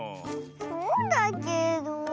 そうだけど。